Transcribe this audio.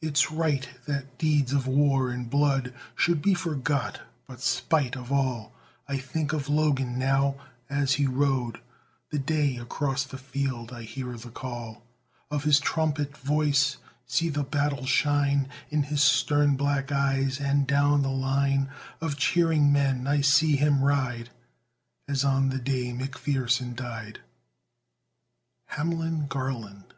It's right that deeds of war and blood Should be forgot, but, spite of all, I think of Logan, now, as he rode That day across the field; I hear the call Of his trumpet voice see the battle shine In his stern, black eyes, and down the line Of cheering men I see him ride, As on the day McPherson died. HAMLIN GARLAND.